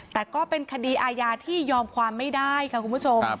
แต่ก็เป็นคดีอาญาที่ยอมความไม่ได้ค่ะคุณผู้ชม